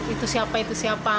itu siapa itu siapa